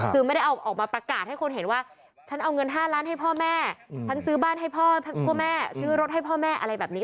คือไม่ได้เอาออกมาประกาศให้คนเห็นว่าฉันเอาเงิน๕ล้านให้พ่อแม่ฉันซื้อบ้านให้พ่อแม่ซื้อรถให้พ่อแม่อะไรแบบนี้